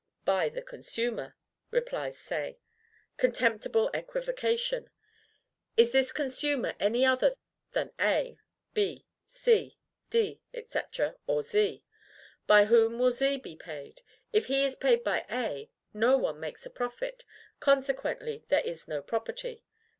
BY THE CONSUMER, replies Say. Contemptible equivocation! Is this consumer any other, then, than A, B. C, D, &c., or Z? By whom will Z be paid? If he is paid by A, no one makes a profit; consequently, there is no property.